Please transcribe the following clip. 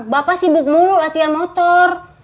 bapak sibuk mulu latihan motor